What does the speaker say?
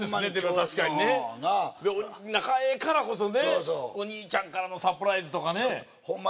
確かにね仲ええからこそねお兄ちゃんからのサプライズとかねホンマ